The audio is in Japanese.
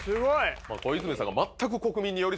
小泉さんが。